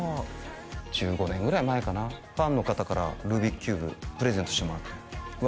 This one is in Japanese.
１５年ぐらい前かなファンの方からルービックキューブプレゼントしてもらってうわ